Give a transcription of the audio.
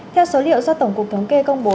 theo số liệu do tổng cục thống kê công bố